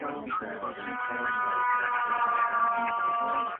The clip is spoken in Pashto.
مور مې په تنور کې ګرمې او سرې ډوډۍ پخوي.